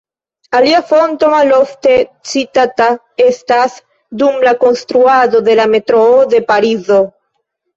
Alia fonto, malofte citita, estas dum la konstruado de la metroo de Parizo.